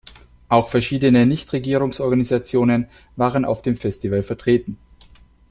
Auch verschiedene Nichtregierungsorganisationen waren auf dem Festival vertreten.